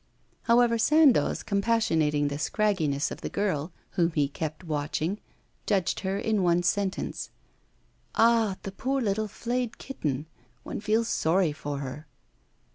However, Sandoz, compassionating the scragginess of the girl, whom he kept watching, judged her in one sentence. 'Ah! the poor little flayed kitten. One feels sorry for her.